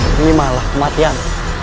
ini malah kematian